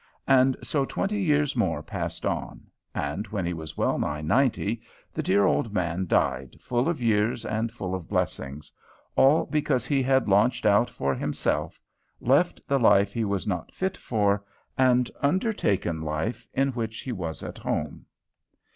And so twenty years more passed on, and, when he was well nigh ninety, the dear old man died full of years and full of blessings, all because he had launched out for himself, left the life he was not fit for, and undertaken life in which he was at home.